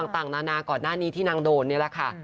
ต่างนานาก่อนหน้านี้ที่นางโดนนี่แหละค่ะ